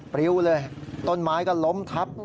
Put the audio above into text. ปริ้วเลยต้นไม้ก็ล้มทับ